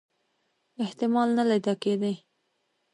احتمال نه لیده کېدی.